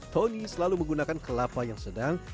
tony selalu menggunakan kelapa yang sedang